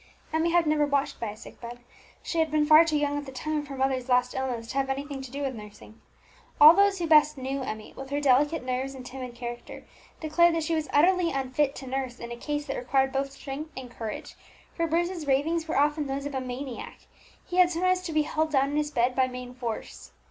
Emmie had never before watched by a sick bed; she had been far too young at the time of her mother's last illness to have had anything to do with nursing. All those who best knew Emmie, with her delicate nerves and timid character, declared that she was utterly unfit to nurse in a case that required both strength and courage; for Bruce's ravings were often those of a maniac. He had sometimes to be held down in his bed by main force.